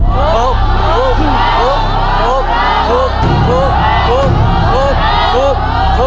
ถูก